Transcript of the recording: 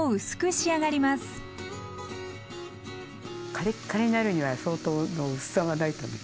カリッカリになるには相当の薄さがないとね。